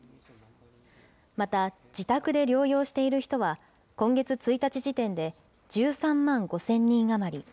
また、自宅で療養している人は、今月１日時点で１３万５０００人余り。